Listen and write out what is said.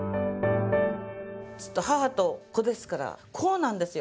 ずっと母と子ですからこうなんですよ。